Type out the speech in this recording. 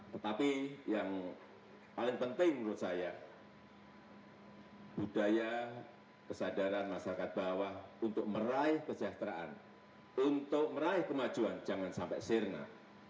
tetapi yang paling penting menurut saya budaya kesadaran masyarakat bawah untuk meraih kesejahteraan untuk meraih kemajuan jangan sampai sirna